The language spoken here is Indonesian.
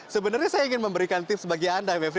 sebenarnya saya ingin memberikan tips bagi anda mepri